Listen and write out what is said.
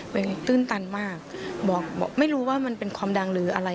เป็นตื้นตันมากบอกไม่รู้ว่ามันเป็นความดังหรืออะไร